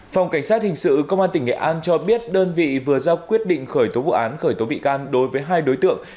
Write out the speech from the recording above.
phòng cảnh sát hình sự công an tỉnh nghệ an cho biết đơn vị vừa ra quyết định khởi tố vụ án khởi tố bị can đối với hai đối tượng